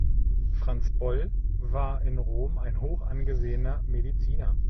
Franz Boll war in Rom ein hoch angesehener Mediziner.